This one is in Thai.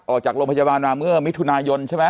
ออกจากโรงพยาบาลมาเมื่อมิถุนายนใช่ไหม